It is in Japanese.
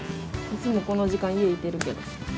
いつもこの時間家いてるけど。